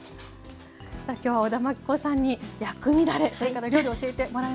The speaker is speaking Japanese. さあ今日は小田真規子さんに薬味だれそれから料理教えてもらいました。